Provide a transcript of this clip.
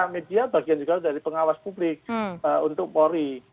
media bagian juga dari pengawas publik untuk polri